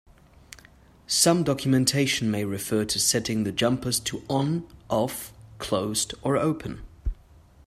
Some documentation may refer to setting the jumpers to on, off, closed, or open.